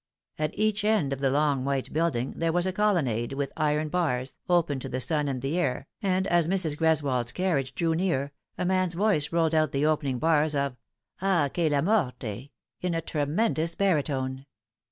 At each end of the long white building there was a colonnade with iron bars, open to the sun and the air, and as Mrs. Greswold's carriage drew near a man's voice rolled out the opening bars of " Ah, che la morte !" in a tremendous baritone.